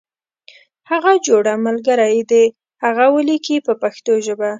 د هغه جوړه ملګری دې هغه ولیکي په پښتو ژبه.